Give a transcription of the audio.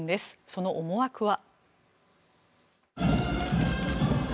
その思惑は。